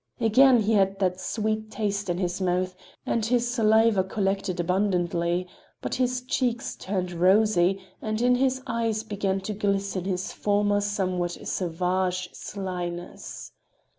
Again he had that sweet taste in his mouth, and his saliva collected abundantly, but his cheeks turned rosy and in his eyes began to glisten his former somewhat savage slyness.